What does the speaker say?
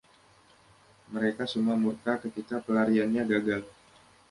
Mereka semua murka ketika pelariannya gagal.